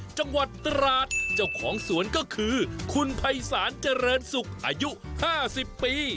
จังหวัดตราดเจ้าของสวนก็คือคุณภัยศาลเจริญศุกร์อายุ๕๐ปี